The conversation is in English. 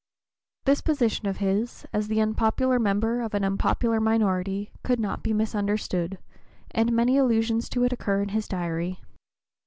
This position of his, as the unpopular member of an unpopular minority, could not be misunderstood, and many allusions to it occur in his Diary.